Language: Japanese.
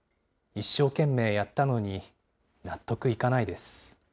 一生懸命やったのに納得いかないです。